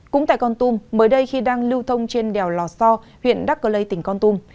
cũng tại con tum mới đây khi đang lưu thông trên đèo lò so huyện đắc cơ lây tỉnh con tum